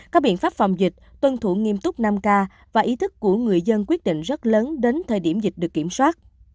có biện pháp phòng dịch tuân thủ nghiêm túc năm k và ý thức của người dân quyết định rất lớn đến thời điểm dịch được kiểm soát